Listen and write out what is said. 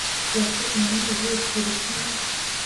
Yajugunye ijisho ripima